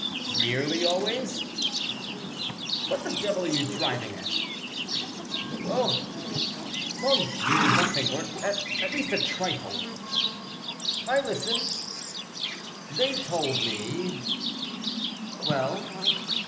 "Nearly always?" "What the devil are you driving at?" "Oh; mon Dieu, nothing; or, at least, a trifle." "I listen." "They told me " "Well?"